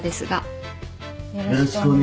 よろしくお願いします